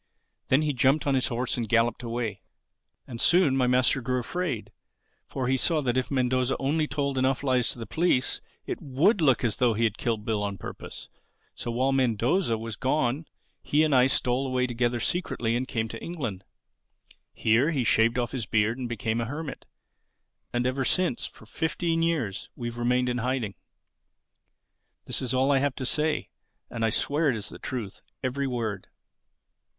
Then he jumped on his horse and galloped away. "And soon my master grew afraid; for he saw that if Mendoza only told enough lies to the police, it would look as though he had killed Bill on purpose. So while Mendoza was gone he and I stole away together secretly and came to England. Here he shaved off his beard and became a hermit. And ever since, for fifteen years, we've remained in hiding. This is all I have to say. And I swear it is the truth, every word."